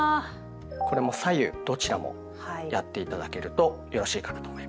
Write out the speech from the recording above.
これも左右どちらもやって頂けるとよろしいかなと思います。